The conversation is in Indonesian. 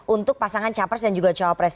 untuk pasangan capres dan juga cawapres